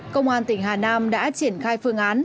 công an tỉnh hà nam đã triển khai phương án